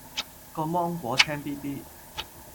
個芒果青咇咇